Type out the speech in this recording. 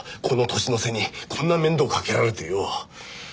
この年の瀬にこんな面倒かけられてよ。